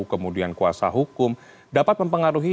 kemudian kuasa hukum dapat mempengaruhi